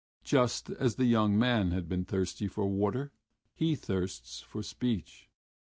Just as the young man had been thirsty for water, he thirsts for speech.